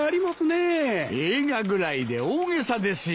映画ぐらいで大げさですよ。